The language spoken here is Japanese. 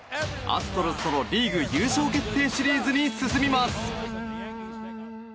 アストロズとのリーグ優勝決定シリーズに進みます。